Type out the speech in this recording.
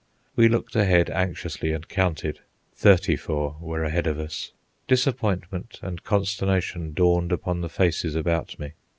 We looked ahead anxiously and counted. Thirty four were ahead of us. Disappointment and consternation dawned upon the faces about me.